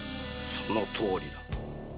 そのとおりだ。